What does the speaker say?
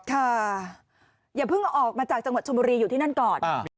อย่าเพิ่งเอาออกมาจากจังหวัดชมบุรีอยู่ที่นั่นก่อน